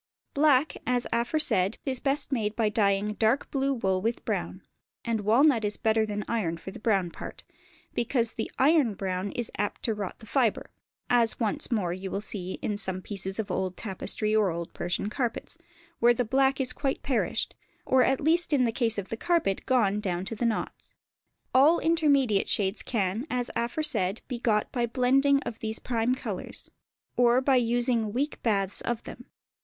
Black, as aforesaid, is best made by dyeing dark blue wool with brown; and walnut is better than iron for the brown part, because the iron brown is apt to rot the fibre; as once more you will see in some pieces of old tapestry or old Persian carpets, where the black is quite perished, or at least in the case of the carpet gone down to the knots. All intermediate shades can, as aforesaid, be got by the blending of these prime colours, or by using weak baths of them.